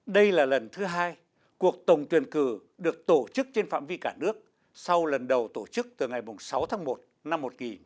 đây là lần thứ hai cuộc tổng tuyển cử được tổ chức trên phạm vi cả nước sau lần đầu tổ chức từ ngày sáu tháng một năm một nghìn chín trăm bảy mươi